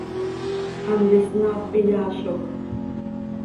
Hant isnaap iyaazoj.